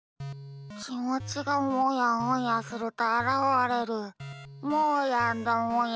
きもちがもやもやするとあらわれるもーやんだもや。